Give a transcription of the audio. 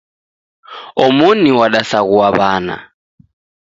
Omoni wadasaghua wana.